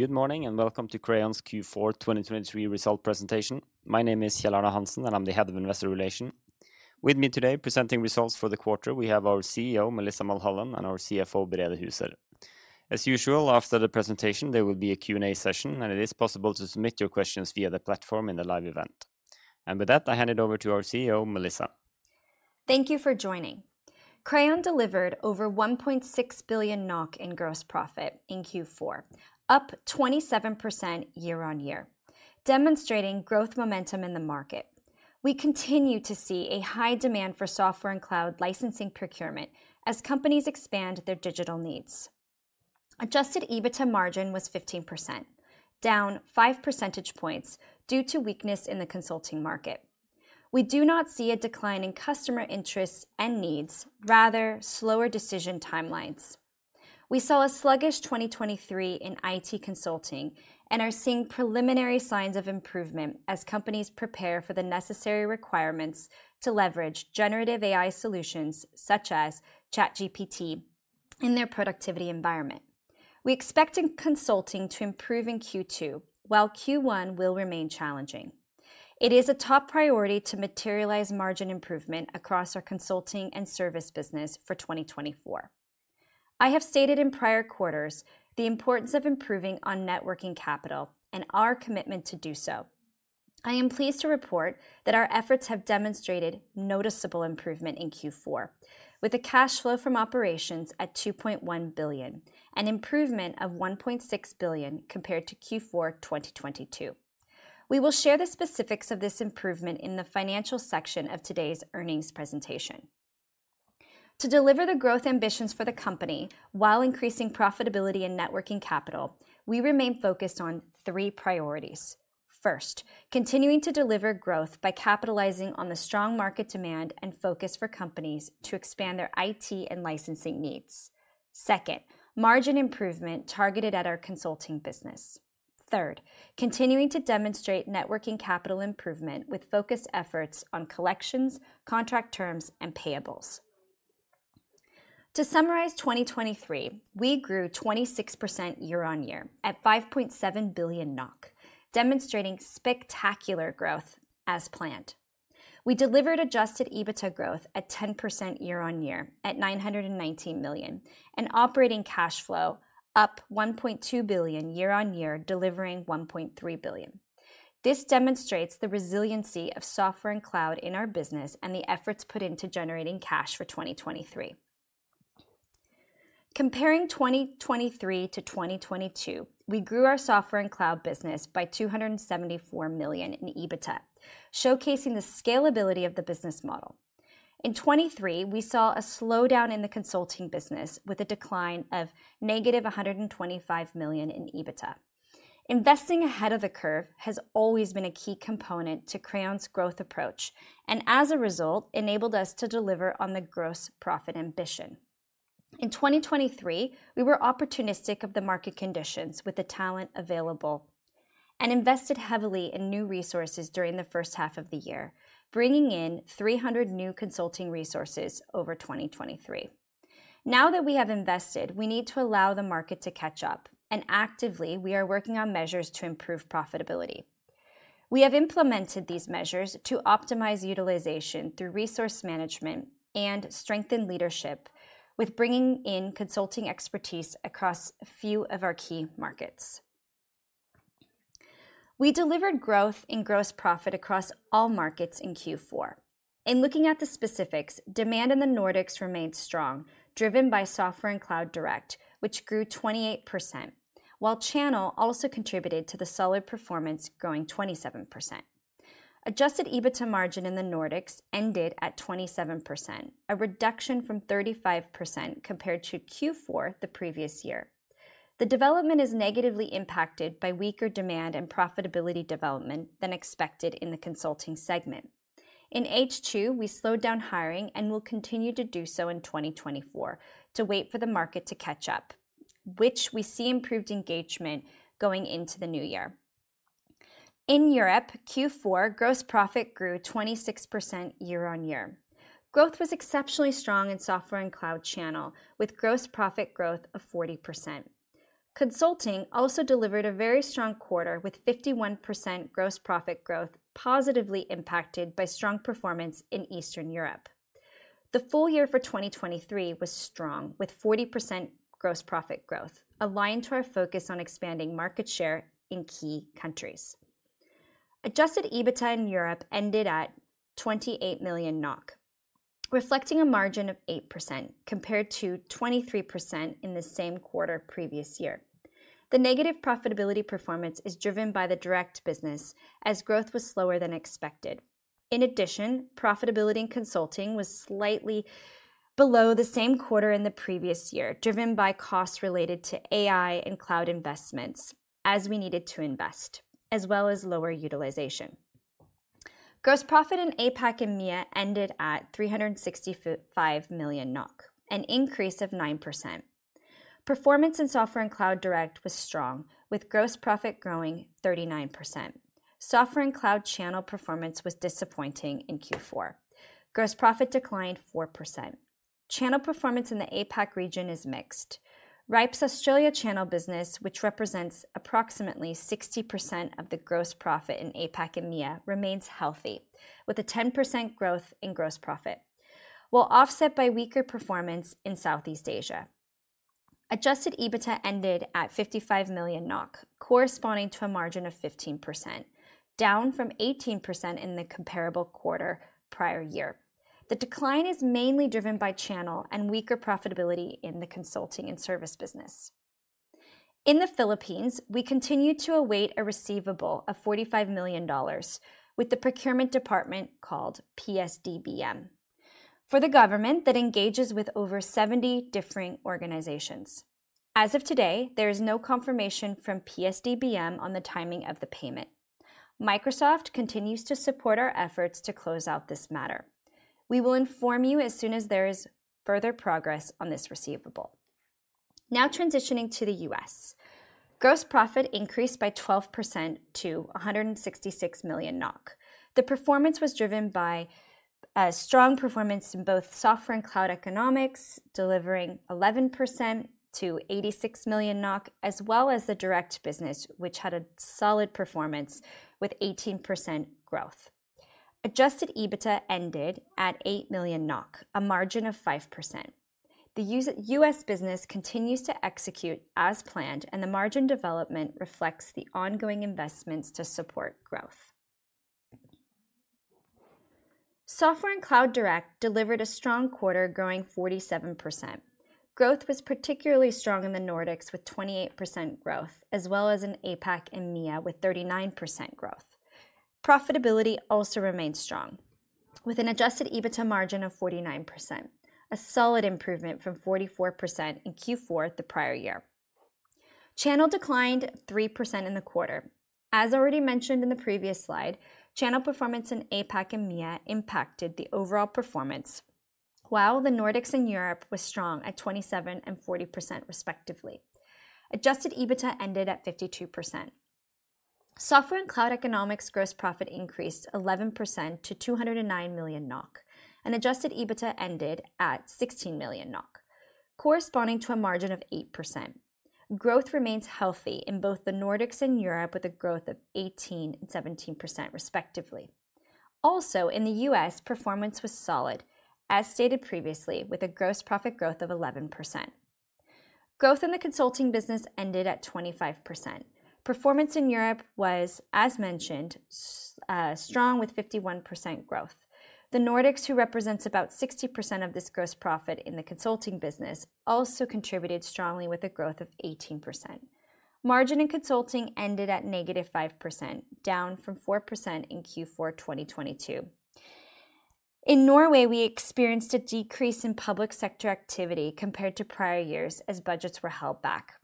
Good morning, and welcome to Crayon's Q4 2023 results presentation. My name is Kjell Arne Hansen, and I'm the Head of Investor Relations. With me today, presenting results for the quarter, we have our CEO, Melissa Mulholland, and our CFO, Brede Huser. As usual, after the presentation, there will be a Q&A session, and it is possible to submit your questions via the platform in the live event. With that, I hand it over to our CEO, Melissa. Thank you for joining. Crayon delivered over 1.6 billion NOK in gross profit in Q4, up 27% year-on-year, demonstrating growth momentum in the market. We continue to see a high demand for software and cloud licensing procurement as companies expand their digital needs. Adjusted EBITDA margin was 15%, down five percentage points due to weakness in the consulting market. We do not see a decline in customer interests and needs, rather, slower decision timelines. We saw a sluggish 2023 in IT consulting and are seeing preliminary signs of improvement as companies prepare for the necessary requirements to leverage generative AI solutions, such as ChatGPT, in their productivity environment. We expect in Consulting to improve in Q2, while Q1 will remain challenging. It is a top priority to materialize margin improvement across our consulting and service business for 2024. I have stated in prior quarters the importance of improving on net working capital and our commitment to do so. I am pleased to report that our efforts have demonstrated noticeable improvement in Q4, with a cash flow from operations at 2.1 billion, an improvement of 1.6 billion compared to Q4 2022. We will share the specifics of this improvement in the financial section of today's earnings presentation. To deliver the growth ambitions for the company while increasing profitability and net working capital, we remain focused on three priorities. First, continuing to deliver growth by capitalizing on the strong market demand and focus for companies to expand their IT and licensing needs. Second, margin improvement targeted at our consulting business. Third, continuing to demonstrate net working capital improvement with focused efforts on collections, contract terms, and payables. To summarize 2023, we grew 26% year-on-year at 5.7 billion NOK, demonstrating spectacular growth as planned. We delivered adjusted EBITDA growth at 10% year-on-year at 919 million, and operating cash flow up 1.2 billion year-on-year, delivering 1.3 billion. This demonstrates the resiliency of software and cloud in our business and the efforts put into generating cash for 2023. Comparing 2023 to 2022, we grew our software and cloud business by 274 million in EBITDA, showcasing the scalability of the business model. In 2023, we saw a slowdown in the consulting business with a decline of -125 million in EBITDA. Investing ahead of the curve has always been a key component to Crayon's growth approach, and as a result, enabled us to deliver on the gross profit ambition. In 2023, we were opportunistic of the market conditions with the talent available and invested heavily in new resources during the first half of the year, bringing in 300 new consulting resources over 2023. Now that we have invested, we need to allow the market to catch up, and actively, we are working on measures to improve profitability. We have implemented these measures to optimize utilization through resource management and strengthen leadership with bringing in consulting expertise across a few of our key markets. We delivered growth in gross profit across all markets in Q4. In looking at the specifics, demand in the Nordics remained strong, driven by Software and Cloud Direct, which grew 28%, while channel also contributed to the solid performance, growing 27%. Adjusted EBITDA margin in the Nordics ended at 27%, a reduction from 35% compared to Q4 the previous year. The development is negatively impacted by weaker demand and profitability development than expected in the consulting segment. In H2, we slowed down hiring and will continue to do so in 2024 to wait for the market to catch up, which we see improved engagement going into the new year. In Europe, Q4 gross profit grew 26% year-over-year. Growth was exceptionally strong in Software and Cloud Channel, with gross profit growth of 40%. Consulting also delivered a very strong quarter, with 51% gross profit growth positively impacted by strong performance in Eastern Europe. The full year for 2023 was strong, with 40% gross profit growth, aligned to our focus on expanding market share in key countries. Adjusted EBITDA in Europe ended at 28 million NOK, reflecting a margin of 8% compared to 23% in the same quarter previous year. The negative profitability performance is driven by the direct business, as growth was slower than expected. In addition, profitability in consulting was slightly below the same quarter in the previous year, driven by costs related to AI and cloud investments as we needed to invest, as well as lower utilization. Gross profit in APAC and MIA ended at 365 million NOK, an increase of 9%. Performance in software and cloud direct was strong, with gross profit growing 39%. Software and cloud channel performance was disappointing in Q4. Gross profit declined 4%. Channel performance in the APAC region is mixed. Rhipe's Australia channel business, which represents approximately 60% of the gross profit in APAC and MIA, remains healthy, with a 10% growth in gross profit, while offset by weaker performance in Southeast Asia. Adjusted EBITDA ended at 55 million NOK, corresponding to a margin of 15%, down from 18% in the comparable quarter prior year. The decline is mainly driven by channel and weaker profitability in the consulting and service business. In the Philippines, we continue to await a receivable of $45 million with the procurement department called PS-DBM. For the government, that engages with over 70 differing organizations. As of today, there is no confirmation from PS-DBM on the timing of the payment. Microsoft continues to support our efforts to close out this matter. We will inform you as soon as there is further progress on this receivable. Now transitioning to the U.S. Gross Profit increased by 12% to 166 million NOK. The performance was driven by a strong performance in both Software and Cloud Economics, delivering 11% to 86 million NOK, as well as the direct business, which had a solid performance with 18% growth. Adjusted EBITDA ended at 8 million NOK, a margin of 5%. The U.S. business continues to execute as planned, and the margin development reflects the ongoing investments to support growth. Software and Cloud Direct delivered a strong quarter, growing 47%. Growth was particularly strong in the Nordics, with 28% growth, as well as in APAC and MIA, with 39% growth. Profitability also remains strong, with an Adjusted EBITDA margin of 49%, a solid improvement from 44% in Q4 the prior year. Channel declined 3% in the quarter. As already mentioned in the previous slide, channel performance in APAC and MIA impacted the overall performance, while the Nordics and Europe was strong at 27% and 40%, respectively. Adjusted EBITDA ended at 52%. Software and Cloud Economics gross profit increased 11% to 209 million NOK, and Adjusted EBITDA ended at 16 million NOK, corresponding to a margin of 8%. Growth remains healthy in both the Nordics and Europe, with a growth of 18% and 17%, respectively. Also, in the U.S., performance was solid, as stated previously, with a gross profit growth of 11%. Growth in the consulting business ended at 25%. Performance in Europe was, as mentioned, strong, with 51% growth. The Nordics, who represents about 60% of this gross profit in the consulting business, also contributed strongly with a growth of 18%. Margin in consulting ended at -5%, down from 4% in Q4 2022. In Norway, we experienced a decrease in public sector activity compared to prior years as budgets were held back.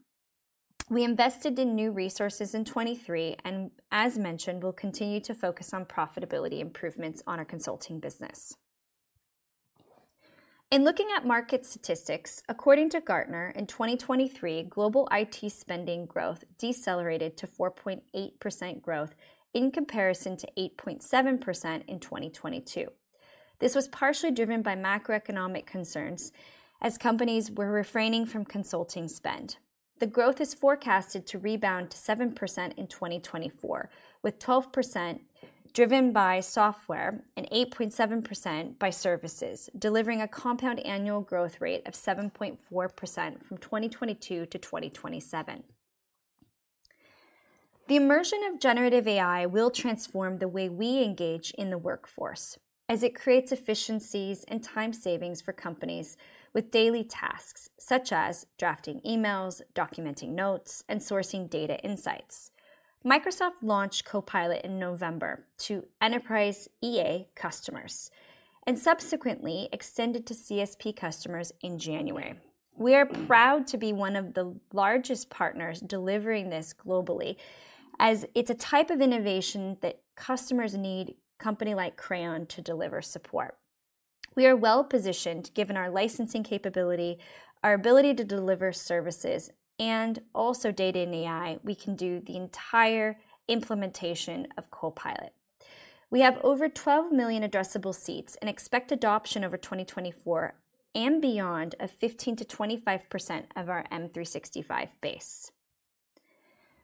We invested in new resources in 2023 and, as mentioned, will continue to focus on profitability improvements on our consulting business. In looking at market statistics, according to Gartner, in 2023, global IT spending growth decelerated to 4.8% growth in comparison to 8.7% in 2022. This was partially driven by macroeconomic concerns as companies were refraining from consulting spend. The growth is forecasted to rebound to 7% in 2024, with 12% driven by software and 8.7% by services, delivering a compound annual growth rate of 7.4% from 2022-2027. The immersion of generative AI will transform the way we engage in the workforce, as it creates efficiencies and time savings for companies with daily tasks such as drafting emails, documenting notes, and sourcing data insights. Microsoft launched Copilot in November to enterprise EA customers and subsequently extended to CSP customers in January. We are proud to be one of the largest partners delivering this globally, as it's a type of innovation that customers need company like Crayon to deliver support. We are well-positioned, given our licensing capability, our ability to deliver services, and also data and AI, we can do the entire implementation of Copilot. We have over 12 million addressable seats and expect adoption over 2024 and beyond of 15%-25% of our M365 base.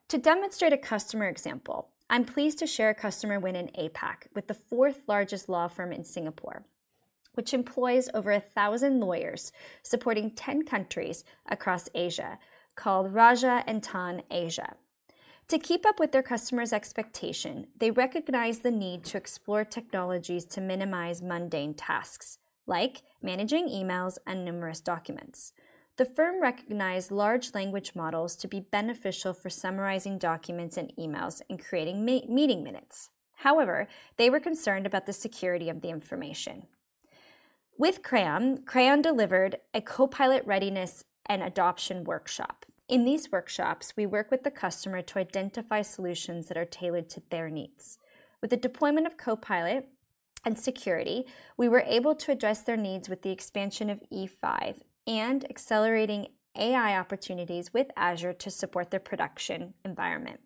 To demonstrate a customer example, I'm pleased to share a customer win in APAC with the fourth largest law firm in Singapore, which employs over 1,000 lawyers supporting 10 countries across Asia, called Rajah & Tann Asia. To keep up with their customers' expectation, they recognized the need to explore technologies to minimize mundane tasks, like managing emails and numerous documents. The firm recognized large language models to be beneficial for summarizing documents and emails and creating meeting minutes. However, they were concerned about the security of the information. With Crayon, Crayon delivered a Copilot readiness and adoption workshop. In these workshops, we work with the customer to identify solutions that are tailored to their needs. With the deployment of Copilot and security, we were able to address their needs with the expansion of E5 and accelerating AI opportunities with Azure to support their production environment....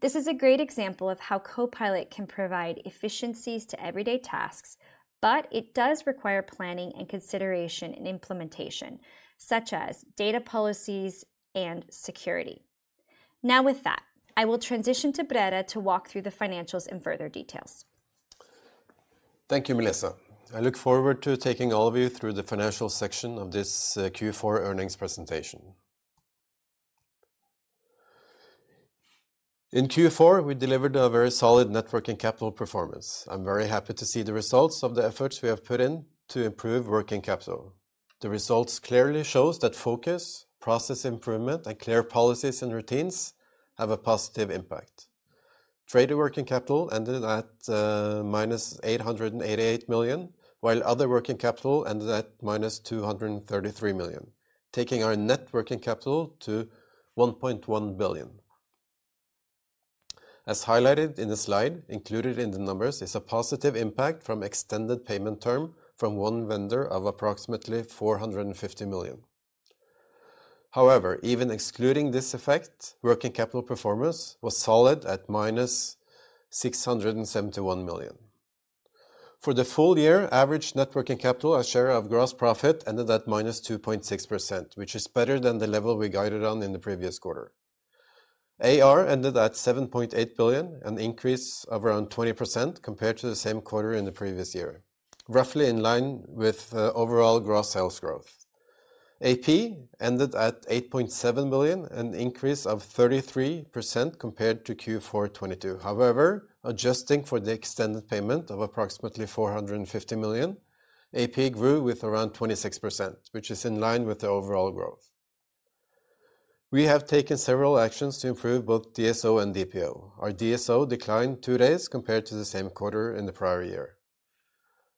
This is a great example of how Copilot can provide efficiencies to everyday tasks, but it does require planning and consideration in implementation, such as data policies and security. Now, with that, I will transition to Brede to walk through the financials in further details. Thank you, Melissa. I look forward to taking all of you through the financial section of this Q4 earnings presentation. In Q4, we delivered a very solid net working capital performance. I'm very happy to see the results of the efforts we have put in to improve working capital. The results clearly shows that focus, process improvement, and clear policies and routines have a positive impact. Trade working capital ended at -888 million, while other working capital ended at -233 million, taking our net working capital to 1.1 billion. As highlighted in the slide, included in the numbers is a positive impact from extended payment term from one vendor of approximately 450 million. However, even excluding this effect, working capital performance was solid at -671 million. For the full year, average net working capital as share of gross profit ended at -2.6%, which is better than the level we guided on in the previous quarter. AR ended at 7.8 billion, an increase of around 20% compared to the same quarter in the previous year, roughly in line with overall gross sales growth. AP ended at 8.7 billion, an increase of 33% compared to Q4 2022. However, adjusting for the extended payment of approximately 450 million, AP grew with around 26%, which is in line with the overall growth. We have taken several actions to improve both DSO and DPO. Our DSO declined two days compared to the same quarter in the prior year.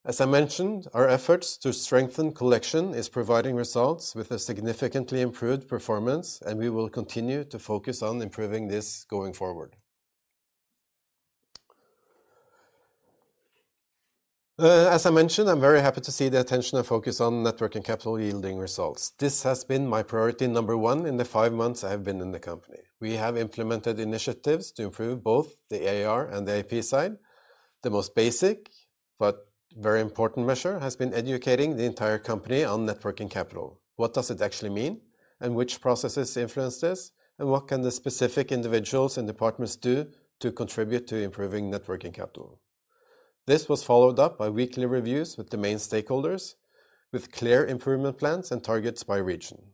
As I mentioned, our efforts to strengthen collection is providing results with a significantly improved performance, and we will continue to focus on improving this going forward. As I mentioned, I'm very happy to see the attention and focus on Net Working Capital yielding results. This has been my priority number one in the five months I have been in the company. We have implemented initiatives to improve both the AR and the AP side. The most basic, but very important measure, has been educating the entire company on Net Working Capital. What does it actually mean? And which processes influence this? And what can the specific individuals and departments do to contribute to improving Net Working Capital? This was followed up by weekly reviews with the main stakeholders, with clear improvement plans and targets by region.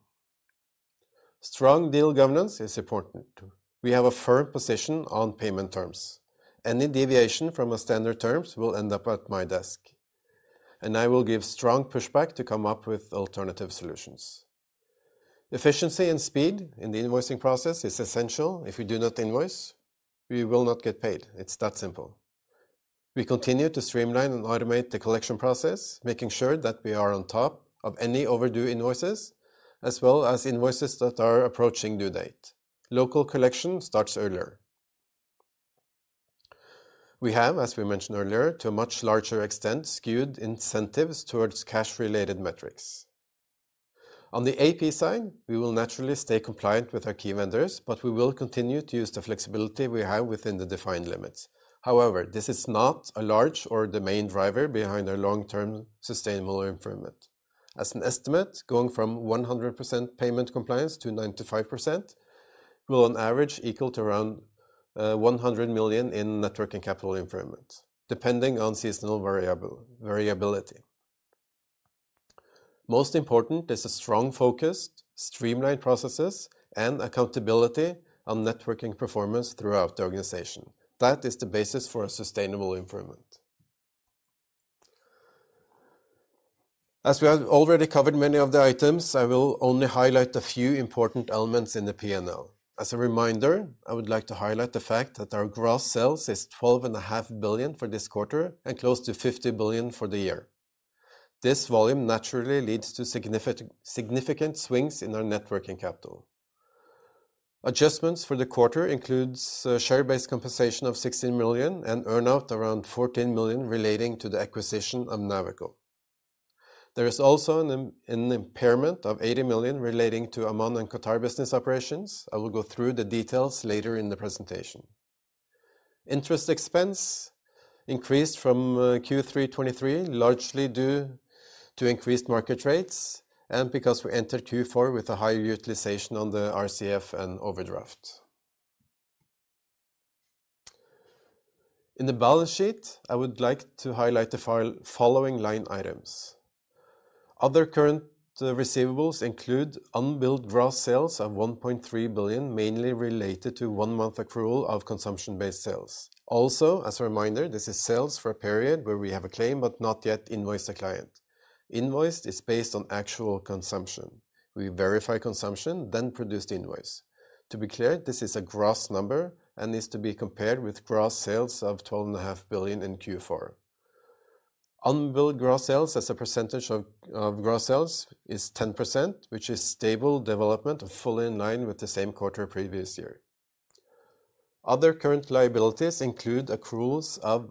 Strong deal governance is important. We have a firm position on payment terms. Any deviation from our standard terms will end up at my desk, and I will give strong pushback to come up with alternative solutions. Efficiency and speed in the invoicing process is essential. If we do not invoice, we will not get paid. It's that simple. We continue to streamline and automate the collection process, making sure that we are on top of any overdue invoices, as well as invoices that are approaching due date. Local collection starts earlier. We have, as we mentioned earlier, to a much larger extent, skewed incentives towards cash-related metrics. On the AP side, we will naturally stay compliant with our key vendors, but we will continue to use the flexibility we have within the defined limits. However, this is not a large or the main driver behind our long-term sustainable improvement. As an estimate, going from 100% payment compliance to 95% will, on average, equal to around one hundred million in net working capital improvement, depending on seasonal variability. Most important is a strong focus, streamlined processes, and accountability on net working performance throughout the organization. That is the basis for a sustainable improvement. As we have already covered many of the items, I will only highlight a few important elements in the P&L. As a reminder, I would like to highlight the fact that our gross sales is 12.5 billion for this quarter and close to 50 billion for the year. This volume naturally leads to significant swings in our net working capital. Adjustments for the quarter includes share-based compensation of 16 million and earn out around 14 million relating to the acquisition of Navicle. There is also an impairment of 80 million relating to Oman and Qatar business operations. I will go through the details later in the presentation. Interest expense increased from Q3 2023, largely due to increased market rates and because we entered Q4 with a higher utilization on the RCF and overdraft. In the balance sheet, I would like to highlight the following line items. Other current receivables include unbilled gross sales of 1.3 billion, mainly related to one-month accrual of consumption-based sales. Also, as a reminder, this is sales for a period where we have a claim, but not yet invoiced the client. Invoiced is based on actual consumption. We verify consumption, then produce the invoice. To be clear, this is a gross number and is to be compared with gross sales of 12.5 billion in Q4. Unbilled gross sales as a percentage of gross sales is 10%, which is stable development, fully in line with the same quarter previous year. Other current liabilities include accruals of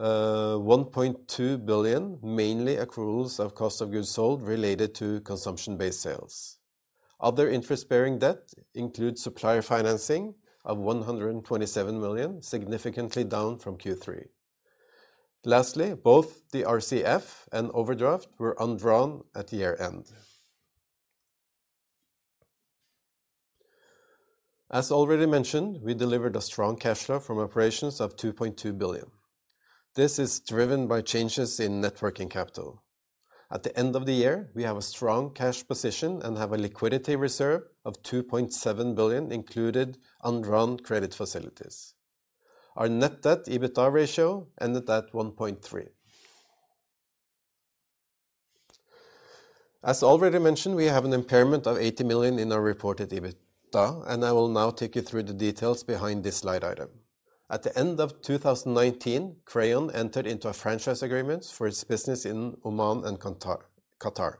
1.2 billion, mainly accruals of cost of goods sold related to consumption-based sales. Other interest-bearing debt includes supplier financing of 127 million, significantly down from Q3. Lastly, both the RCF and overdraft were undrawn at year-end. As already mentioned, we delivered a strong cash flow from operations of 2.2 billion. This is driven by changes in net working capital. At the end of the year, we have a strong cash position and have a liquidity reserve of 2.7 billion included undrawn credit facilities. Our net debt EBITDA ratio ended at 1.3. As already mentioned, we have an impairment of 80 million in our reported EBITDA, and I will now take you through the details behind this line item. At the end of 2019, Crayon entered into a franchise agreement for its business in Oman and Qatar.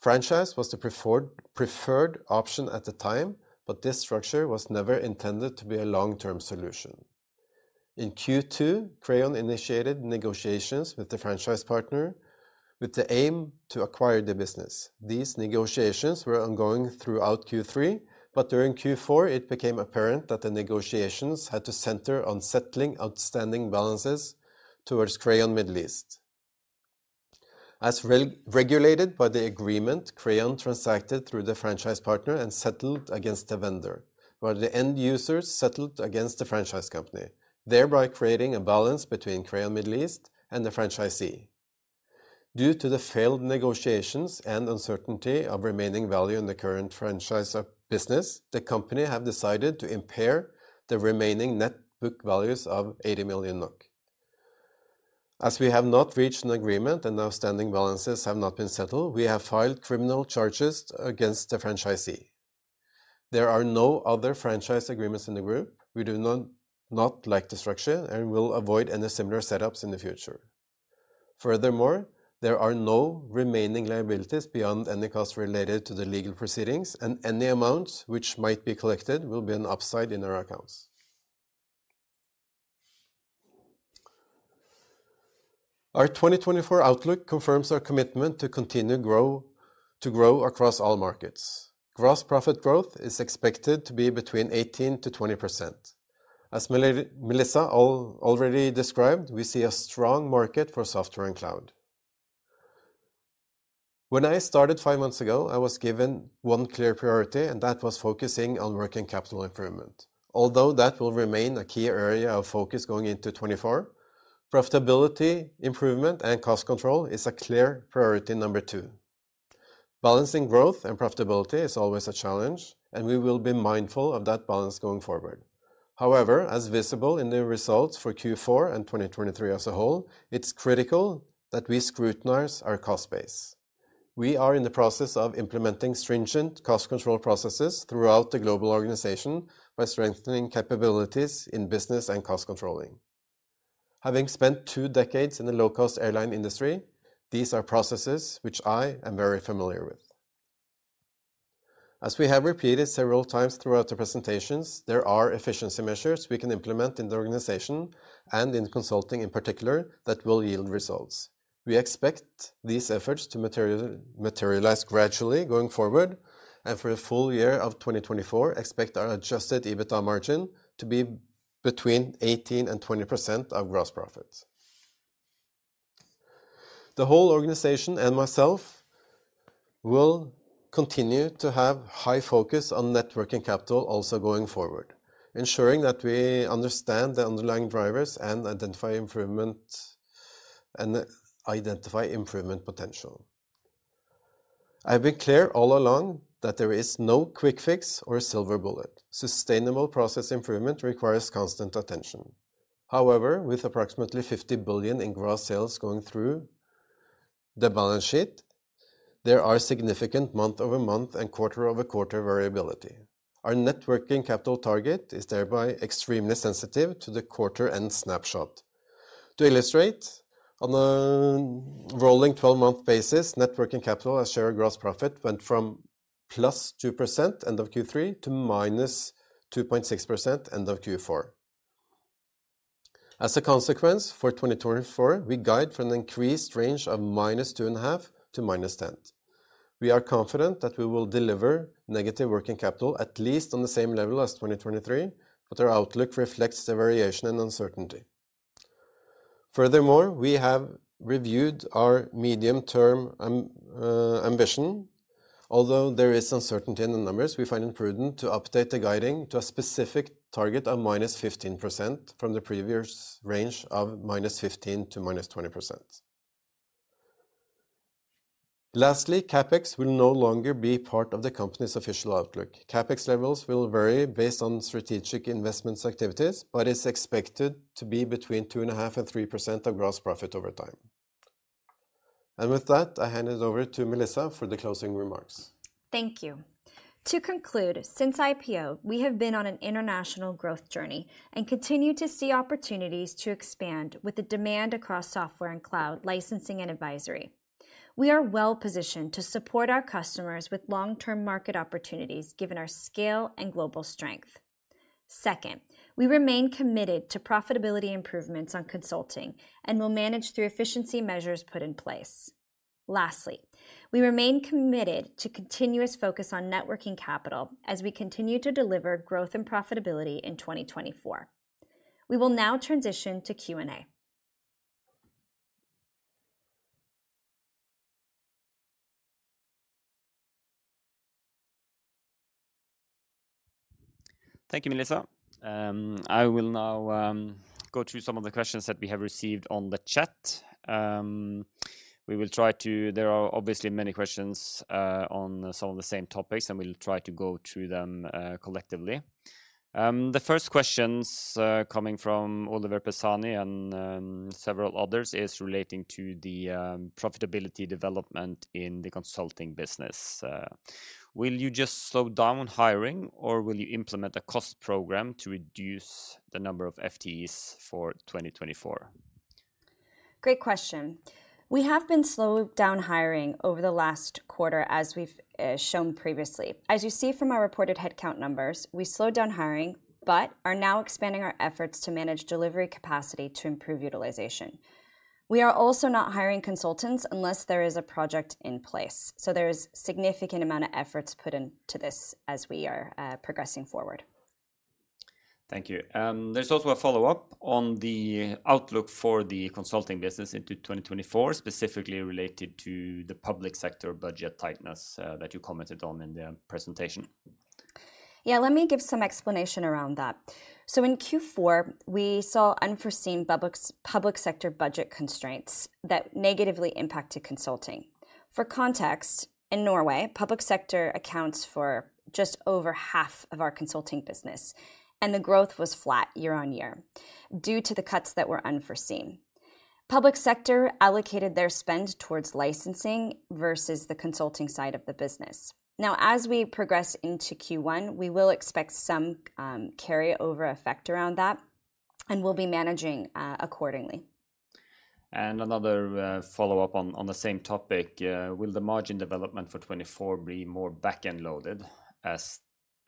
Franchise was the preferred option at the time, but this structure was never intended to be a long-term solution. In Q2, Crayon initiated negotiations with the franchise partner with the aim to acquire the business. These negotiations were ongoing throughout Q3, but during Q4, it became apparent that the negotiations had to center on settling outstanding balances towards Crayon Middle East. As re-regulated by the agreement, Crayon transacted through the franchise partner and settled against the vendor, while the end users settled against the franchise company, thereby creating a balance between Crayon Middle East and the franchisee. Due to the failed negotiations and uncertainty of remaining value in the current franchiser business, the company have decided to impair the remaining net book values of 80 million NOK. As we have not reached an agreement and outstanding balances have not been settled, we have filed criminal charges against the franchisee. There are no other franchise agreements in the group. We do not like the structure and will avoid any similar setups in the future. Furthermore, there are no remaining liabilities beyond any costs related to the legal proceedings, and any amounts which might be collected will be an upside in our accounts. Our 2024 outlook confirms our commitment to continue to grow across all markets. Gross profit growth is expected to be between 18%-20%. As Melissa already described, we see a strong market for software and cloud. When I started five months ago, I was given one clear priority, and that was focusing on working capital improvement. Although that will remain a key area of focus going into 2024, profitability, improvement, and cost control is a clear priority number two. Balancing growth and profitability is always a challenge, and we will be mindful of that balance going forward. However, as visible in the results for Q4 and 2023 as a whole, it's critical that we scrutinize our cost base. We are in the process of implementing stringent cost control processes throughout the global organization by strengthening capabilities in business and cost controlling. Having spent two decades in the low-cost airline industry, these are processes which I am very familiar with. As we have repeated several times throughout the presentations, there are efficiency measures we can implement in the organization and in consulting, in particular, that will yield results. We expect these efforts to materialize gradually going forward, and for the full year of 2024, expect our Adjusted EBITDA margin to be between 18% and 20% of gross profit. The whole organization and myself will continue to have high focus on net working capital, also going forward, ensuring that we understand the underlying drivers and identify improvement potential. I've been clear all along that there is no quick fix or silver bullet. Sustainable process improvement requires constant attention. However, with approximately 50 billion in gross sales going through the balance sheet, there are significant month-over-month and quarter-over-quarter variability. Our net working capital target is thereby extremely sensitive to the quarter-end snapshot. To illustrate, on a rolling twelve-month basis, net working capital as share of gross profit went from +2% end of Q3 to -2.6% end of Q4. As a consequence, for 2024, we guide for an increased range of -2.5% to -10%. We are confident that we will deliver negative working capital, at least on the same level as 2023, but our outlook reflects the variation and uncertainty. Furthermore, we have reviewed our medium-term ambition. Although there is uncertainty in the numbers, we find it prudent to update the guiding to a specific target of -15% from the previous range of -15% to -20%. Lastly, CapEx will no longer be part of the company's official outlook. CapEx levels will vary based on strategic investments activities, but is expected to be between 2.5% and 3% of gross profit over time. With that, I hand it over to Melissa for the closing remarks. Thank you. To conclude, since IPO, we have been on an international growth journey and continue to see opportunities to expand with the demand across software and cloud, licensing, and advisory. We are well-positioned to support our customers with long-term market opportunities, given our scale and global strength. Second, we remain committed to profitability improvements on consulting, and we'll manage through efficiency measures put in place. Lastly, we remain committed to continuous focus on net working capital as we continue to deliver growth and profitability in 2024. We will now transition to Q&A. Thank you, Melissa. I will now go through some of the questions that we have received on the chat. We will try to—there are obviously many questions on some of the same topics, and we'll try to go through them collectively. The first questions coming from Oliver Pisani and several others is relating to the profitability development in the consulting business. "Will you just slow down hiring, or will you implement a cost program to reduce the number of FTEs for 2024? Great question. We have been slowing down hiring over the last quarter, as we've shown previously. As you see from our reported headcount numbers, we slowed down hiring but are now expanding our efforts to manage delivery capacity to improve utilization. We are also not hiring consultants unless there is a project in place, so there is significant amount of efforts put into this as we are progressing forward. Thank you. There's also a follow-up on the outlook for the consulting business into 2024, specifically related to the public sector budget tightness, that you commented on in the presentation? Yeah, let me give some explanation around that. So in Q4, we saw unforeseen public sector budget constraints that negatively impacted consulting. For context, in Norway, public sector accounts for just over half of our consulting business, and the growth was flat year-on-year due to the cuts that were unforeseen. Public sector allocated their spend towards licensing versus the consulting side of the business. Now, as we progress into Q1, we will expect some carryover effect around that, and we'll be managing accordingly. And another follow-up on the same topic: "Will the margin development for 2024 be more back-end loaded as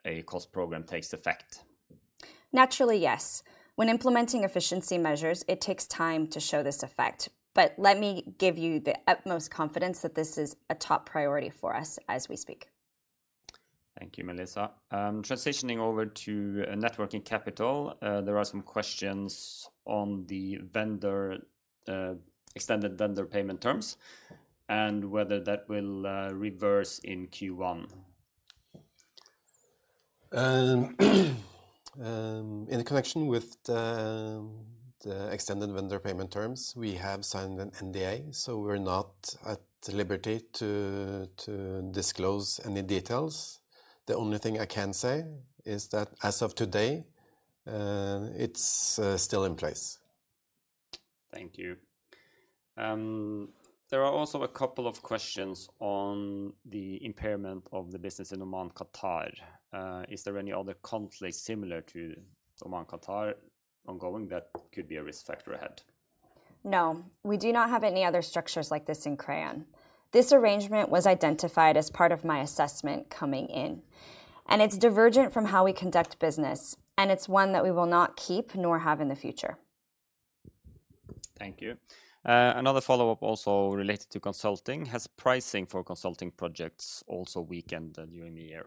a cost program takes effect? Naturally, yes. When implementing efficiency measures, it takes time to show this effect, but let me give you the utmost confidence that this is a top priority for us as we speak. Thank you, Melissa. Transitioning over to net working capital, there are some questions on the vendor extended vendor payment terms and whether that will reverse in Q1. In connection with the extended vendor payment terms, we have signed an NDA, so we're not at liberty to disclose any details. The only thing I can say is that as of today, it's still in place. Thank you. There are also a couple of questions on the impairment of the business in Oman, Qatar. "Is there any other country similar to Oman, Qatar ongoing that could be a risk factor ahead? No, we do not have any other structures like this in Crayon. This arrangement was identified as part of my assessment coming in, and it's divergent from how we conduct business, and it's one that we will not keep nor have in the future. Thank you. Another follow-up also related to consulting: "Has pricing for consulting projects also weakened during the year?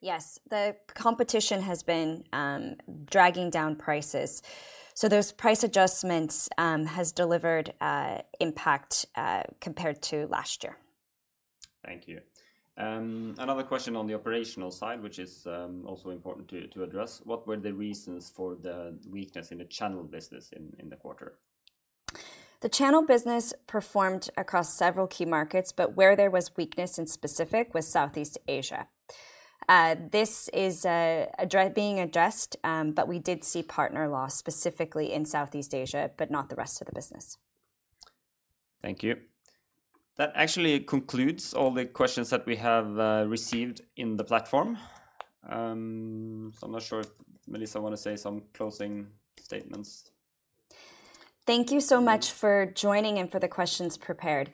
Yes. The competition has been dragging down prices, so those price adjustments has delivered impact compared to last year. Thank you. Another question on the operational side, which is also important to address: "What were the reasons for the weakness in the channel business in the quarter? The channel business performed across several key markets, but where there was weakness in specific was Southeast Asia. This is being addressed, but we did see partner loss, specifically in Southeast Asia, but not the rest of the business. Thank you. That actually concludes all the questions that we have received in the platform. So I'm not sure if Melissa want to say some closing statements. Thank you so much for joining and for the questions prepared.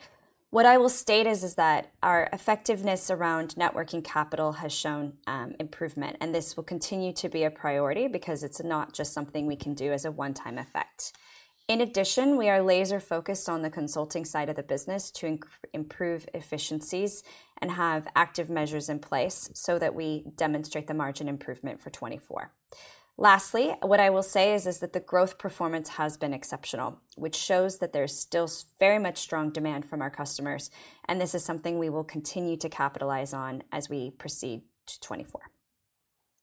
What I will state is that our effectiveness around net working capital has shown improvement, and this will continue to be a priority because it's not just something we can do as a one-time effect. In addition, we are laser-focused on the consulting side of the business to improve efficiencies and have active measures in place so that we demonstrate the margin improvement for 2024. Lastly, what I will say is that the growth performance has been exceptional, which shows that there's still very much strong demand from our customers, and this is something we will continue to capitalize on as we proceed to 2024.